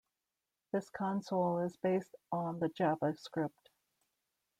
This console is based on the JavaScript.